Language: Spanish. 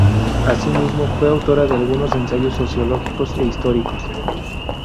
Así mismo, fue autora de algunos ensayos sociológicos e históricos.